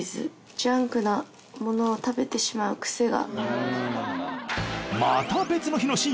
ジャンクなものを食べてしまう癖が。